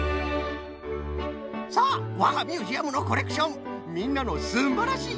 さあわがミュージアムのコレクションみんなのすんばらしい